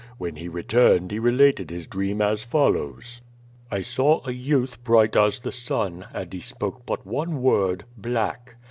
When he returned he related his dream as follows: ^I saw a youth bright as the sun, and he spoke but one word, "Black."